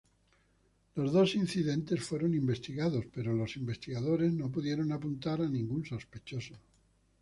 Los dos incidentes fueron investigados, pero los investigadores no pudieron apuntar a ningún sospechoso.